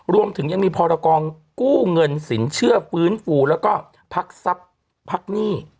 รวมถึงยังมีพรกองกู้เงินสินเชื่อฟื้นฟูแล้วก็พักทรัพย์พักหนี้